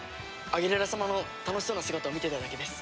アギレラ様の楽しそうな姿を見ていたいだけです。